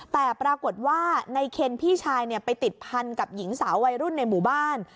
แต่ปรากฏว่าในเคนพี่ชายไปติดพันกับหญิงสาววัยรุ่นในหมู่บ้าน